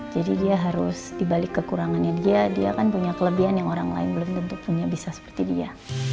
jadi dia harus dibalik kekurangannya dia dia kan punya kelebihan yang orang lain belum tentu punya bisa seperti dia